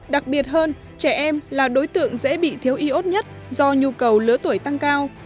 đặc biệt hơn trẻ em là đối tượng dễ bị thiếu iốt nhất do nhu cầu lứa tuổi tăng cao